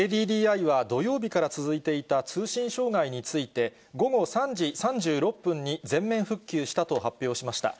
ＫＤＤＩは土曜日から続いていた通信障害について、午後３時３６分に全面復旧したと発表しました。